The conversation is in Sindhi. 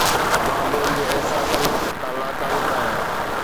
مان ٻين جي احساسن کان لاتعلق آهيان